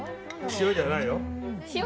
塩じゃないよ。